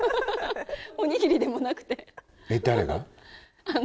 おにぎりでもなくて。